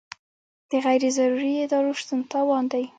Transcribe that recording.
د غیر ضروري ادارو شتون تاوان دی.